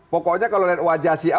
pokoknya kalau lihat wajah si a